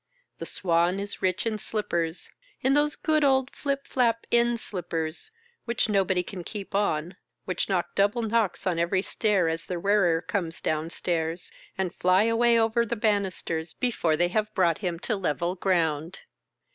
The Swan is rich in slippers — in those good old flip flap inn slippers which nobody can keep on, which knock double knocks on every stair as their wearer comes down stains, and fly away over the banisters before they have brought him to level ground.